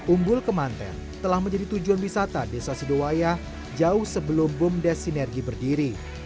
umbul kemanten telah menjadi tujuan wisata desa sidowaya jauh sebelum bumdes sinergi berdiri